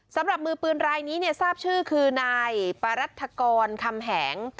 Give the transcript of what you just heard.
สำหรับมือปืนรายนี้เนี่ยทราบชื่อคือนายปรัฐกรคำแหง